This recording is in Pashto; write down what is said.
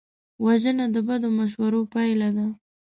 وژنه د بدو مشورو پایله ده